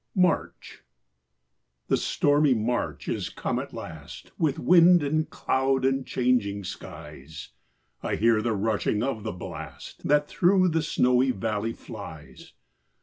MARCH. The stormy March is come at last, With wind and cloud and changing skies; I hear the rushing of the blast, That through the snowy valley flies.